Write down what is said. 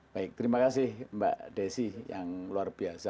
baik terima kasih mbak desi yang luar biasa